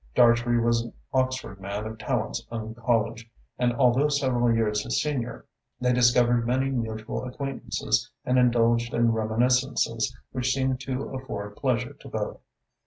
Dartrey was an Oxford man of Tallente's own college, and, although several years his senior, they discovered many mutual acquaintances and indulged in reminiscences which seemed to afford pleasure to both.